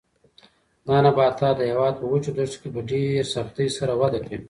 دا نباتات د هېواد په وچو دښتو کې په ډېر سختۍ سره وده کوي.